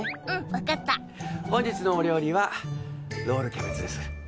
わかった本日のお料理はロールキャベツです